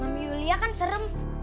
mami yulia kan serem